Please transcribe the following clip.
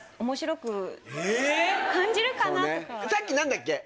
そうねさっき何だっけ？